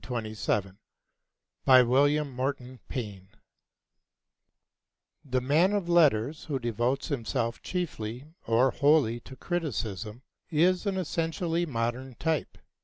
GEORG BRANDES (1842 ) BY WILLIAM MORTON PAYNE The man of letters who devotes himself chiefly or wholly to criticism is an essentially modern type.